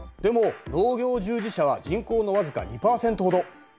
でも農業従事者は人口の僅か２％ほど。